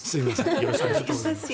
よろしくお願いします。